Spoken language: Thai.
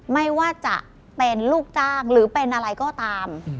ไม่ว่าจะเป็นลูกจ้างหรือเป็นอะไรก็ตาม